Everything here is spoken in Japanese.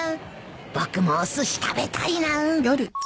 僕もおすし食べたいな